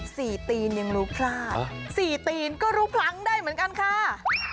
ตีนยังรู้พลาดสี่ตีนก็รู้พลั้งได้เหมือนกันค่ะ